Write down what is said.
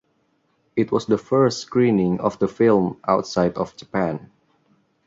It was the first screening of the film outside of Japan.